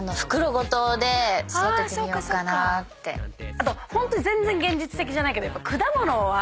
あとホントに全然現実的じゃないけど。